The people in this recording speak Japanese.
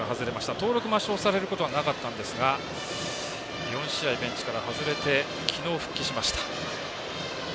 登録抹消されることはなかったんですが４試合、ベンチから外れて昨日、復帰しました。